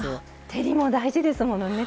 照りも大事ですものね。